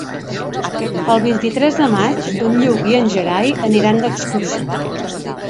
El vint-i-tres de maig en Lluc i en Gerai aniran d'excursió.